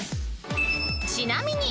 ［ちなみに］